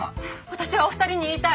私はお二人に言いたい！